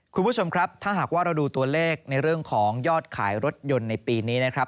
คุณผู้ชมครับถ้าหากว่าเราดูตัวเลขในเรื่องของยอดขายรถยนต์ในปีนี้นะครับ